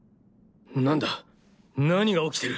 なんだ何が起きてる！？